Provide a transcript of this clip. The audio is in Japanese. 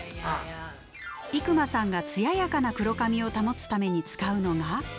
伊熊さんが艶やかな黒髪を保つために使うのが。